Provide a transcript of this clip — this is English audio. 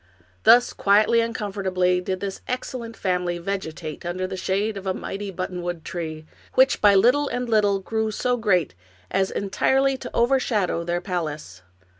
Thus quietly and comfortably did this excellent family vegetate under the shade of a mighty buttonwood tree, which by little and little grew so great as entirely to overshadow their palace.